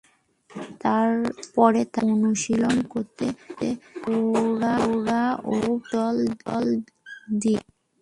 পরে তারা অনুশীলন করত ছোরা ও পিস্তল দিয়ে।